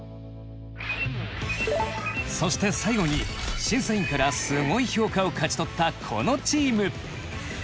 そして最後に審査員からすごい評価を勝ち取ったこのチーム。